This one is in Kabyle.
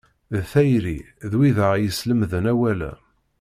Deg tayri, d wid i aɣ-islemden awal-a.